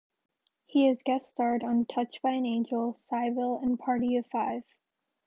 He has guest starred on "Touched by an Angel", "Cybill" and "Party of Five".